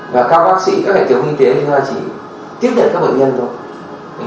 và các bác sĩ các hệ thống y tế chúng ta chỉ tiếp nhận các bệnh nhân thôi